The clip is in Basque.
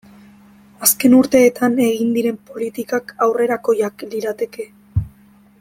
Azken urteetan egin diren politikak aurrerakoiagoak lirateke.